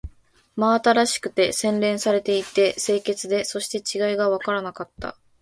真新しくて、洗練されていて、清潔で、そして違いがわからなかった